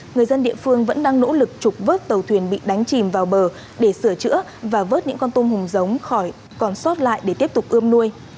người dân địa phương vẫn đang nỗ lực trục vớt tàu thuyền bị đánh chìm vào bờ để sửa chữa và vớt những con tôm hùm giống còn sót lại để tiếp tục ươm nuôi